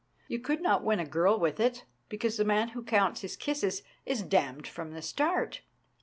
You could not win a girl with it, because the man who counts his kisses is damned from the start.